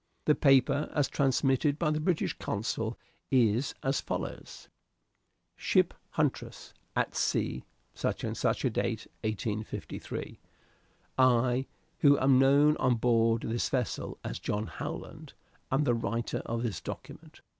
The paper, as transmitted by the British Consul, is as follows: "Ship Huntress. At sea, such and such a data, 1853. "I, who am known on board this vessel as John Howland, am the writer of this document.